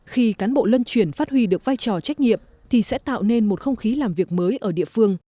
khi cán bộ luân chuyển phát huy được vai trò trách nhiệm thì sẽ tạo nên một không khí làm việc mới ở địa phương